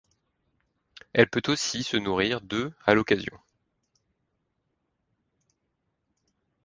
Elle peut aussi se nourrir d'œufs, à l'occasion.